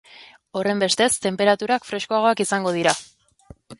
Horrenbestez, tenperaturak freskoagoak izango dira.